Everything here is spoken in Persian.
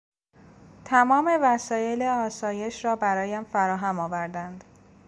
تمام وسایل آسایش را برایم فراهم آوردند.